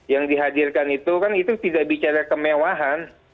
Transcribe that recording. yang dihadirkan itu kan itu tidak bicara kemewahan